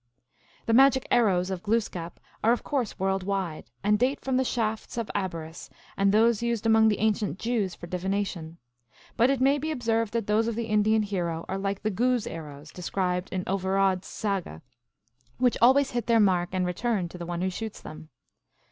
The magic arrows of Glooskap are of course world wide, and date from the shafts of Abaris and those used among the ancient Jews for divination. But it may be observed that those of the Indian hero are like the " Guse arrows," described in Oervarodd s 24 THE ALGONQUIN LEGENDS. Saga, which always hit their mark and return to the one who shoots them.